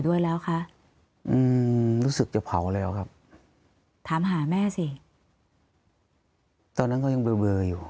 ด้วยแล้วคะอืมรู้สึกจะเผาแล้วครับถามหาแม่สิตอนนั้นก็ยังเบอร์อยู่